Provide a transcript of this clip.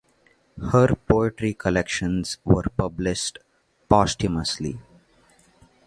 Her poetry collections were published posthumously.